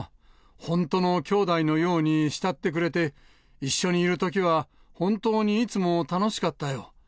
ほんとの兄弟のように慕ってくれて、一緒にいるときは、本当にいつも楽しかったよ。